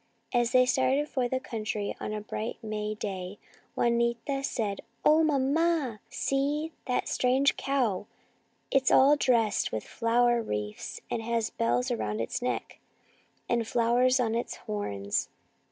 As they started for the country on a bright May day, Juanita said, " Oh, mamma, see that strange cow ! It is all dressed with flower To the Country 91 wreaths, and has bells around its neck and flowers on its horns.